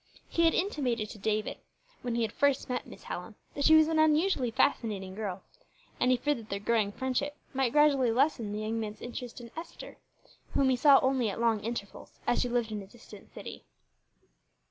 He had intimated to David, when he had first met Miss Hallam, that she was an unusually fascinating girl, and he feared that their growing friendship might gradually lessen the young man's interest in Esther, whom he saw only at long intervals, as she lived in a distant city.